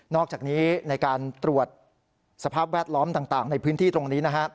อกจากนี้ในการตรวจสภาพแวดล้อมต่างในพื้นที่ตรงนี้